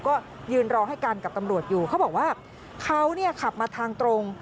ก็ยืนรอให้กันกับตำรวจอยู่เขาบอกว่าเขาเนี่ยขับมาทางตรง